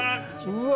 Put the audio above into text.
うわ！